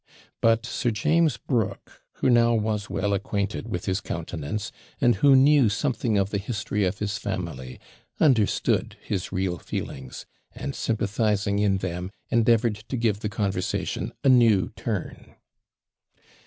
But Sir James Brooke, who now was well acquainted with his countenance, and who knew something of the history of his family, understood his real feelings, and, sympathising in them, endeavoured to give the conversation a new turn.